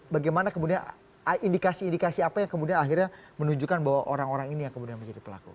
bagaimana kemudian indikasi indikasi apa yang kemudian akhirnya menunjukkan bahwa orang orang ini yang kemudian menjadi pelaku